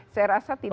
saya rasa tidak